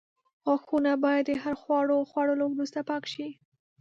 غاښونه باید د هر خواړو خوړلو وروسته پاک شي.